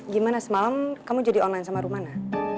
gimana semalam kamu jadi online sama rumana